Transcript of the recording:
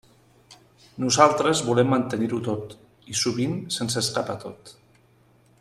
Nosaltres volem mantenir-ho tot, i sovint se'ns escapa tot.